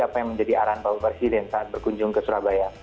apa yang menjadi arahan bapak presiden saat berkunjung ke surabaya